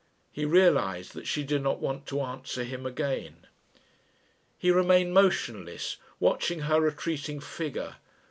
He realised that she did not want to answer him again.... He remained motionless, watching her retreating figure.